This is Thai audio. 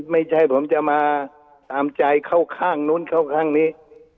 ไม่ใช่ผมจะมาตามใจเข้าข้างนู้นเข้าข้างนี้